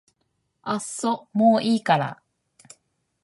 あっそもういいから